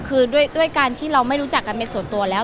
คือด้วยการที่เราไม่รู้จักกันเป็นส่วนตัวแล้ว